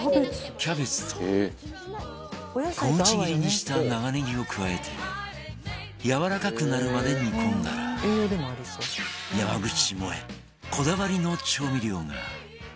キャベツと小口切りにした長ネギを加えてやわらかくなるまで煮込んだら山口もえこだわりの調味料が